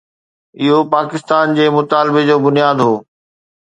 اهو پاڪستان جي مطالبي جو بنياد هو.